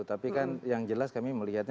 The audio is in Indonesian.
tapi kan yang jelas kami melihatnya